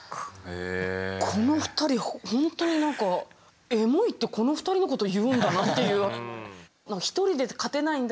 この２人ほんとに何かエモいってこの２人のことを言うんだなっていう。